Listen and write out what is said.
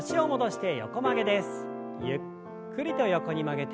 ゆっくりと横に曲げて。